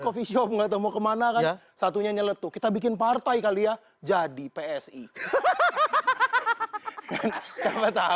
indonesia tetengau kemana aja satunya nyeletu kita bikin partai kali ya jadi surface ya